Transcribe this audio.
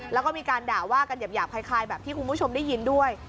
แล้วก็มีการด่าว่ากันหยาบคล้ายแบบที่คุณผู้ชมได้ยินด้วย